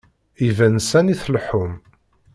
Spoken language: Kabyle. Iban sani tleḥḥum.